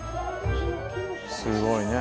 すごいね。